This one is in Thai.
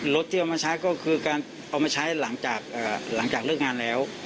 ที่เอามาใช้ก็คือการเอามาใช้หลังจากเลิกงานแล้ว